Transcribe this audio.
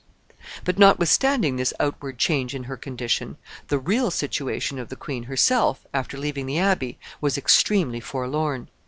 But, notwithstanding this outward change in her condition, the real situation of the queen herself, after leaving the Abbey, was extremely forlorn.